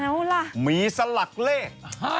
หมีสลักเล็ก